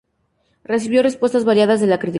Recibió respuestas variadas de la crítica.